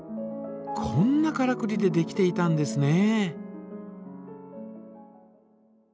こんなからくりでできていたんですね。